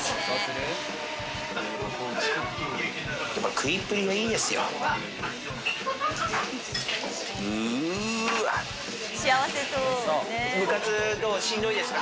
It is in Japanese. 食いっぷりがいいですよ。